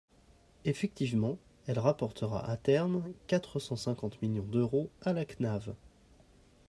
Effectivement, elle rapportera, à terme, quatre cent cinquante millions d’euros à la CNAV.